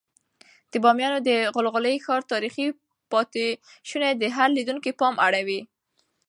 د بامیانو د غلغلي ښار تاریخي پاتې شونې د هر لیدونکي پام اړوي.